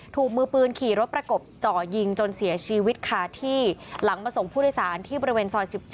ถูกมือปืนขี่รถประกบจ่อยิงจนเสียชีวิตค่ะที่หลังมาส่งผู้โดยสารที่บริเวณซอย๑๗